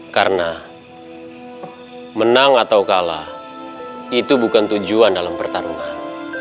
karena menang atau kalah itu bukan tujuan dalam pertarungan